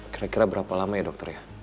kira kira berapa lama ya dokter ya